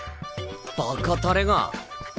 バカタレが。